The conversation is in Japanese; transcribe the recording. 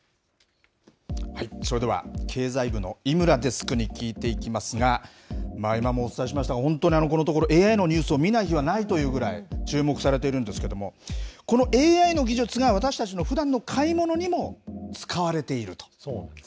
それでは、経済部の井村デスクに聞いていきますが、今もお伝えしましたが、本当にこのところ、ＡＩのニュースを見ない日はないというぐらい、注目されているんですけども、このＡＩの技術が私たちのふだんの買い物にも使われていると。